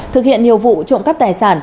thực hiện nhiều vụ trộm cắp tài sản